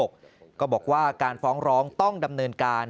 ก็บอกว่าการฟ้องร้องต้องดำเนินการ